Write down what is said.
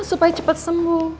supaya cepat sembuh